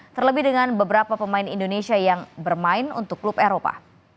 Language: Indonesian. terlebih dengan beberapa pemain indonesia yang bermain untuk klub eropa